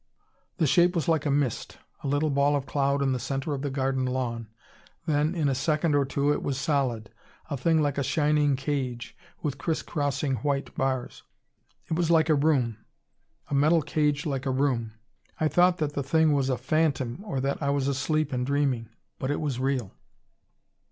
"The shape was like a mist, a little ball of cloud in the center of the garden lawn. Then in a second or two it was solid a thing like a shining cage, with crisscrossing white bars. It was like a room; a metal cage like a room. I thought that the thing was a phantom or that I was asleep and dreaming. But it was real."